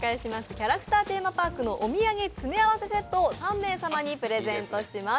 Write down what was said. キャラクターテーマパークのお土産詰め合わせセットを３名様にプレゼントします。